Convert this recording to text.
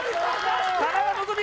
田中希実